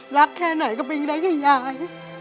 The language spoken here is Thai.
รักแค่ไหนก็เป็นอย่างไรก็ยาย